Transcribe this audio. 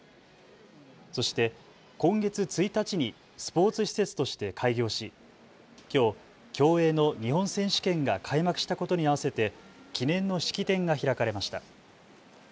そして今月１日にスポーツ施設として開業しきょう競泳の日本選手権が開幕したことにあわせて記念の式典が開かれました。